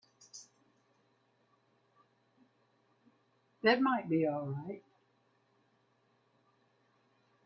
That might be all right.